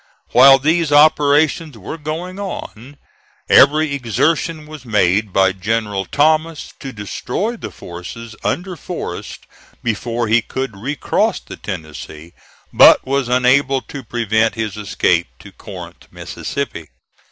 While these operations were going on, every exertion was made by General Thomas to destroy the forces under Forrest before he could recross the Tennessee, but was unable to prevent his escape to Corinth, Mississippi.